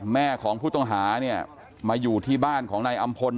แม่ของผู้ต้องหาเนี่ยมาอยู่ที่บ้านของนายอำพล